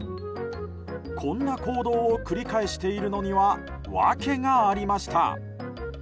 こんな行動を繰り返しているのには訳がありました。